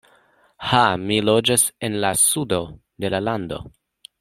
Ha, mi loĝas en la sudo de la lando.